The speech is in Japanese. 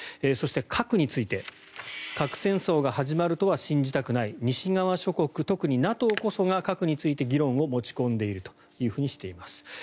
そして、核について核戦争が始まるとは信じたくない西側諸国、特にＮＡＴＯこそが核について議論を持ち込んでいるとしています。